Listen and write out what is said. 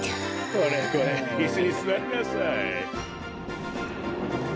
これこれいすにすわりなさい。